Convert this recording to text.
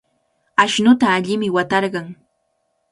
Ashnuta allimi watarqan.